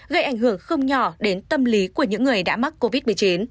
gây ảnh hưởng không nhỏ đến tâm lý của những người đã mắc covid một mươi chín